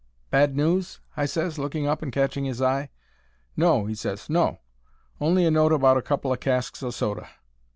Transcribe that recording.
"Bad news?" I ses, looking up and catching 'is eye. "No," he ses, "no. Only a note about a couple o' casks o' soda."